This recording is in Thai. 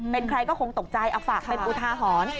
เป็นใครก็คงตกใจเอาฝากเป็นอุทาหรณ์